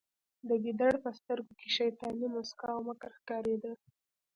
د ګیدړ په سترګو کې شیطاني موسکا او مکر ښکاریده